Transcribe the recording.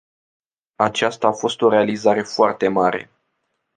Aceasta a fost o realizare foarte mare.